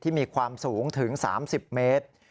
มีความสูงถึง๓๐เมตร